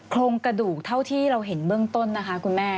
โครงกระดูกเท่าที่เราเห็นเบื้องต้นนะคะคุณแม่